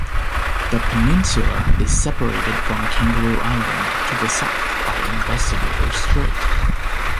The peninsula is separated from Kangaroo Island to the south by Investigator Strait.